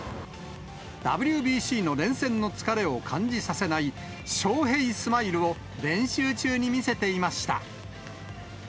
ＷＢＣの連戦の疲れを感じさせないショーヘイスマイルを練習中に見せていました。